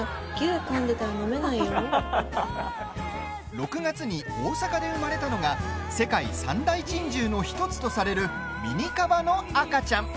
６月に大阪で生まれたのが世界三大珍獣の１つとされるミニカバの赤ちゃん。